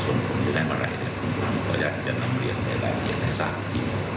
สมมติจะได้เมื่อไหร่เนี่ยผมอยากจะนำเรียนได้แรงเกียรติศาสตร์ที่นั่น